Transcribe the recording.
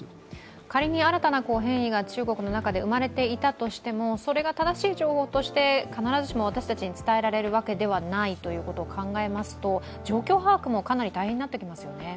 仮に新たな変異が中国の中で生まれていたとしてもそれが正しい情報として必ずしも私たちに伝えられるわけではないことを考えますと、状況把握もかなり大変になってきますよね。